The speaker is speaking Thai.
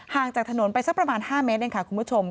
ห่างจากถนนไปสักประมาณ๕เมตรคุณผู้ชม